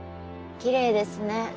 きれいですね。